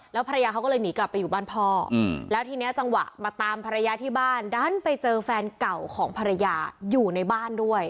ภรรยาเขาก็เลยหนีกลับไปอยู่บ้านพ่อแล้วทีนี้จังหวะมาตามภรรยาที่บ้านดันไปเจอแฟนเก่าของภรรยาอยู่ในบ้านด้วย